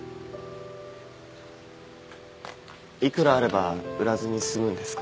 幾らあれば売らずに済むんですか？